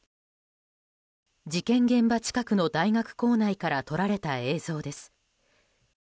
事件現場近くの大学構内から撮られた映像です。